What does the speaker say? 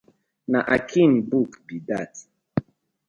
Na Akin book bi dat.